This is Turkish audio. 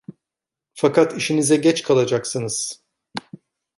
Fakat işinize geç kalacaksınız!